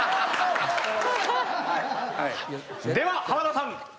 では浜田さん